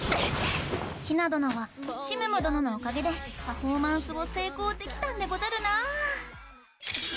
ひな殿はチムム殿のおかげでパフォーマンスを成功できたんでござるな。